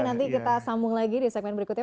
nanti kita sambung lagi di segmen berikutnya